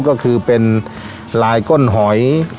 ก็คือเป็นลายก้นหอย